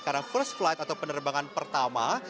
karena first flight atau penerbangan pertama